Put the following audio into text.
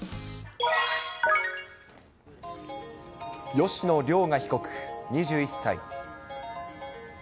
吉野凌雅被告２１歳。